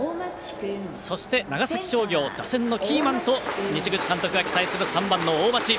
そして、長崎商業打線のキーマンと西口監督が期待する３番の大町。